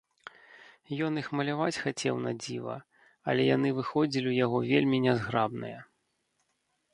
Ён іх маляваць хацеў надзіва, але яны выходзілі ў яго вельмі нязграбныя.